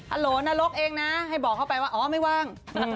โหลนรกเองนะให้บอกเขาไปว่าอ๋อไม่ว่าง